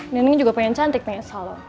neneng juga pengen cantik pengen salam